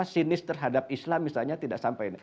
sinis terhadap islam misalnya tidak sampai